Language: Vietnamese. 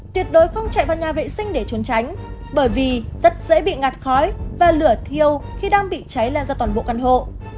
tuyệt đối không chạy vào nhà vệ sinh để trốn tránh bởi vì rất dễ bị ngạt khói và lửa thiêu khi đang bị cháy lan ra toàn bộ căn hộ